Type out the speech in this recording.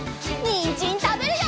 にんじんたべるよ！